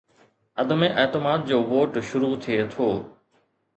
عدم اعتماد جو ووٽ شروع ٿئي ٿو